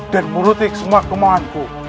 dan menutupi semua kemauanku